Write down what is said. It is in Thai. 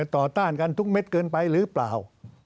ต้านกันทุกเม็ดเกินไปหรือเปล่า